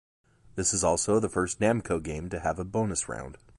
This is also the first Namco game to have a bonus round.